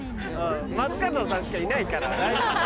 松方さんしかいないから大丈夫だよ。